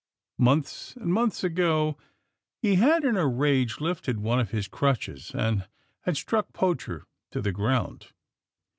Months and months ago, he had, in a rage, lifted one of his crutches and had struck Poacher to the ground.